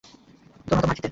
তোর মতো মার খেতে?